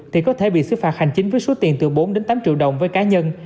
thì có thể bị xứ phạt hành chính với số tiền từ bốn tám triệu đồng với cá nhân